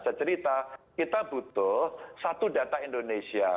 saya cerita kita butuh satu data indonesia